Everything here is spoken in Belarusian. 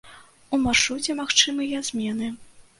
У маршруце магчымыя змены.